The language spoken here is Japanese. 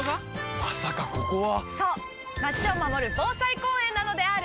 そうまちを守る防災公園なのであーる！